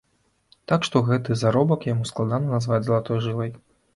Так што гэты заробак яму складана назваць залатой жылай.